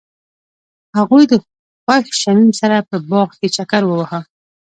هغوی د خوښ شمیم سره په باغ کې چکر وواهه.